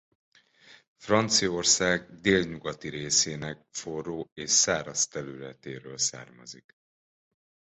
Franciaország délnyugati részének forró és száraz területéről származik.